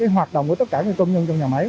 hoạt động của tất cả công nhân trong nhà máy